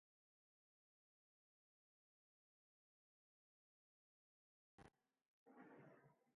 Landak ezin izan zituen gorpuak aurkitu.